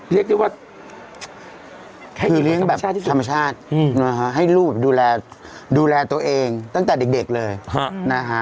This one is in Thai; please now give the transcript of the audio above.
เรียกได้ว่าคือเลี้ยงแบบธรรมชาตินะฮะให้ลูกดูแลตัวเองตั้งแต่เด็กเลยนะฮะ